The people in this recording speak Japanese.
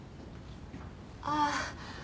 ああ。